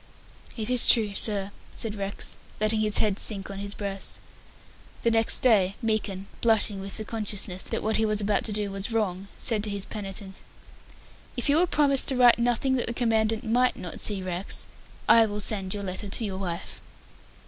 "It is true, sir," said Rex, letting his head sink on his breast. The next day, Meekin, blushing with the consciousness that what he was about to do was wrong, said to his penitent, "If you will promise to write nothing that the Commandant might not see, Rex, I will send your letter to your wife."